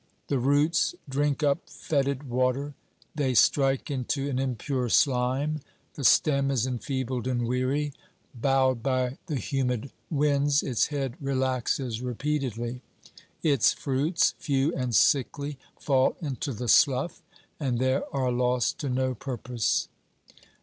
The roots drink up fetid water, they strike into an impure slime, the stem is enfeebled and weary ; bowed by the humid winds, its head relaxes repeatedly; its fruits, few and sickly, fall into the slough and there are lost to no purpose.